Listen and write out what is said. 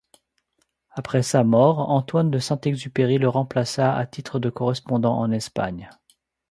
Après sa mort, Antoine de Saint-Exupéry le remplaça à titre de correspondant en Espagne.